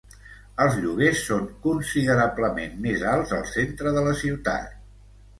Els lloguers són considerablement més alts al centre de la ciutat.